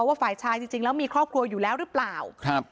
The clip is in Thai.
ฝ่ายชายจริงจริงแล้วมีครอบครัวอยู่แล้วหรือเปล่าครับ